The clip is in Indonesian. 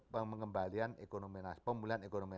pengembalian ekonomi pemulihan ekonomi